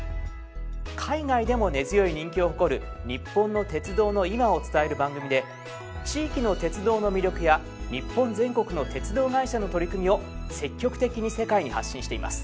海外でも根強い人気を誇る日本の鉄道の今を伝える番組で地域の鉄道の魅力や日本全国の鉄道会社の取り組みを積極的に世界に発信しています。